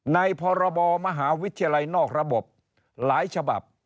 พรบมหาวิทยาลัยนอกระบบหลายฉบับ